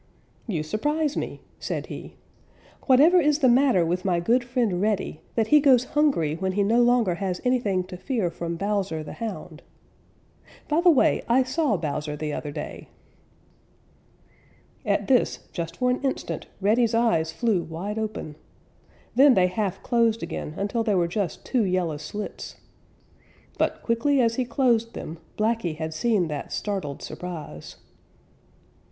"You surprise me," said he. "Whatever is the matter with my good friend Reddy, that he goes hungry when he no longer has anything to fear from Bowser the Hound. By the way, I saw Bowser the other day." At this, just for an instant, Reddy's eyes flew wide open. Then they half closed again until they were just two yellow slits. But quickly as he closed them, Blacky had seen that startled surprise.